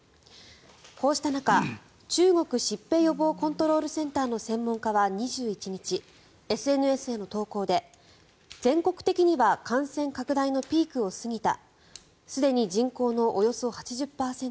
こうした中、中国疾病予防コントロールセンターの専門家は２１日ＳＮＳへの投稿で、全国的には感染拡大のピークを過ぎたすでに人口のおよそ８０％